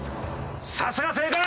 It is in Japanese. さすが！正解！